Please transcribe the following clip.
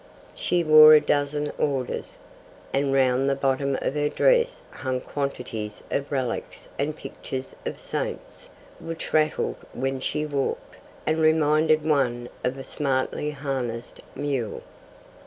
She wore a dozen orders; and round the bottom of her dress hung quantities of relics and pictures of saints, which rattled when she walked, and reminded one of a smartly harnessed mule.